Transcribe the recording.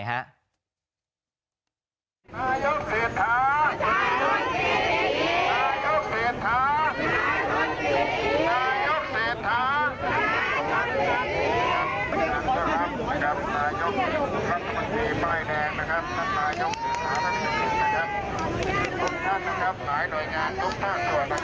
นายกเศรษฐานายกเศรษฐา